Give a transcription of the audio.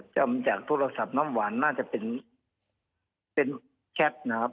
จากโทรศัพท์น้ำหวานน่าจะเป็นแชทนะครับ